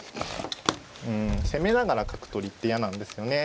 うん攻めながら角取りって嫌なんですよね。